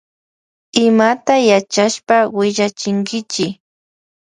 Imata yachashpa willachinkichi.